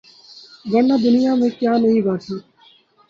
ورنہ دنیا میں کیا نہیں باقی